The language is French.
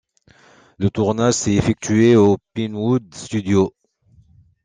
Le tournage s'est effectué aux Pinewood Studios.